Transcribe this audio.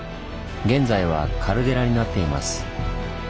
現在はカルデラになっています。